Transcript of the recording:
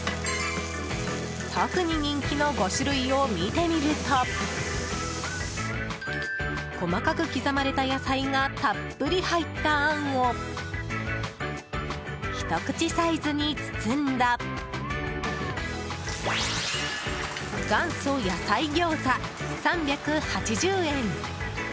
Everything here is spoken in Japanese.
特に人気の５種類を見てみると細かく刻まれた野菜がたっぷり入ったあんをひと口サイズに包んだ元祖野菜餃子、３８０円。